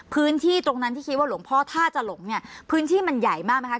พื้นที่ตรงนั้นที่คิดว่าหลวงพ่อถ้าจะหลงเนี่ยพื้นที่มันใหญ่มากไหมคะ